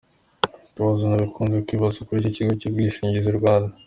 Ibibazo bikunze kwibazwa kuri ku kigo cy’ubwishingizi Rwanda